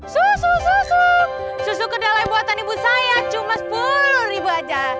susu susu susu kedelai buatan ibu saya cuma sepuluh ribu aja